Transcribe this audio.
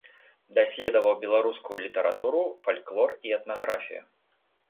Даследаваў беларускую літаратуру, фальклор і этнаграфію.